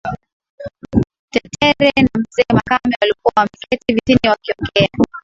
Tetere na mzee makame walikuwa wameketi vitini wakiongea